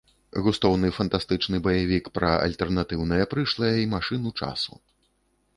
Густоўны фантастычны баявік пра альтэрнатыўнае прышлае й машыну часу.